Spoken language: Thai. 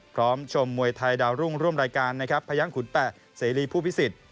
พร้อมชมมวยไทยดาวรุ่งร่วมรายการพยังขุนแปะสีรีย์ผู้พิสิทธิ์